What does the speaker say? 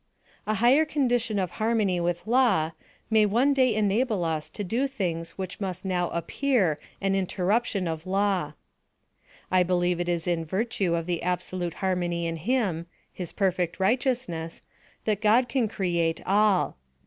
A higher condition of harmony with law, may one day enable us to do things which must now appear an interruption of law. I believe it is in virtue of the absolute harmony in him, his perfect righteousness, that God can create at all.